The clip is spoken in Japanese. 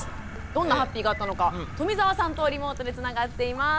どんなハッピーがあったのか冨澤さんとリモートでつながっています。